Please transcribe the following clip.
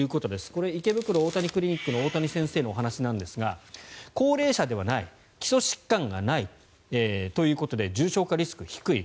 これは池袋大谷クリニックの大谷先生のお話なんですが高齢者ではない基礎疾患がないということで重症化リスクが低い。